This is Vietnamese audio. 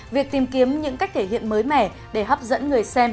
việc tìm kiếm những cách thể hiện mới mẻ để hấp dẫn người xem